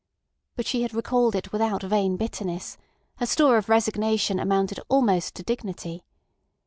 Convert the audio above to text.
But she had recalled it without vain bitterness; her store of resignation amounted almost to dignity.